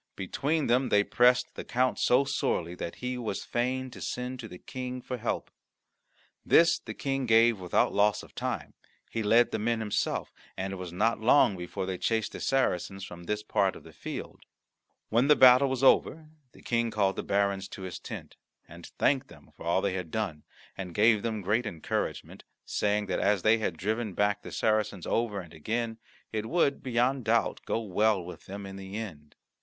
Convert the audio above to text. Between them they pressed the count so sorely that he was fain to send to the King for help. This the King gave without loss of time; he led the men himself, and it was not long before they chased the Saracens from this part of the field. When the battle was over the King called the barons to his tent, and thanked them for all that they had done, and gave them great encouragement, saying that as they had driven back the Saracens over and again, it would, beyond doubt, go well with them in the end.